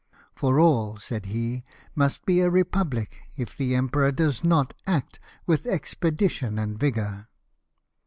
" For all," said he, ," must be a republic, if the emperor does not act with expedition and vigour."